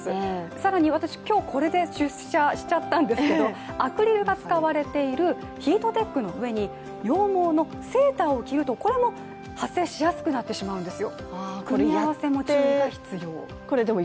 更に私、今日これで出社しちゃったんですけどアクリルが使われているヒートテックの上に羊毛のセーターを着ると、これも発生しやすくなってしまうんですよ。